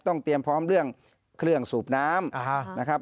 เตรียมพร้อมเรื่องเครื่องสูบน้ำนะครับ